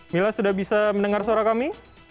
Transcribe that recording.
mila sudah bisa mendengar suara kami